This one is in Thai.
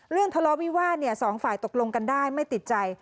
เรื่องทะเลาะวิวาสเนี่ยสองฝ่ายตกลงกันได้ไม่ติดใจ